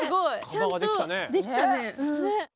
ちゃんとできたね。